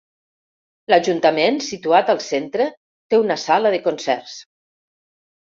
L'ajuntament, situat al centre, té una sala de concerts.